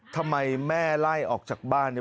ทำไมแม่ไล่ออกจากบ้านเนี่ย